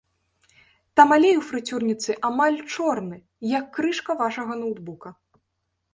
Там алей ў фрыцюрніцы амаль чорны, як крышка вашага ноўтбука.